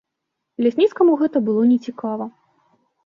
Лясніцкаму гэта было нецікава.